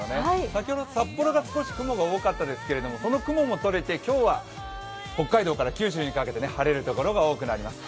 先ほど札幌が少し雲が多かったですけれども、その雲も取れて今日は北海道から九州にかけて晴れる所が多くなります。